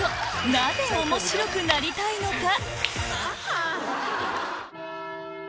なぜ面白くなりたいのか？